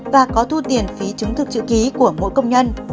và có thu tiền phí chứng thực chữ ký của mỗi công nhân